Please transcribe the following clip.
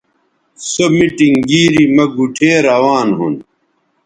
سو میٹنگ گیری مہ گوٹھے روان ھُون